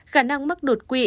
khả năng mắc đột quỵ